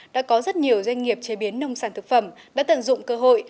đã có rất nhiều doanh nghiệp chế biến nông sản thực phẩm đã tận dụng cơ hội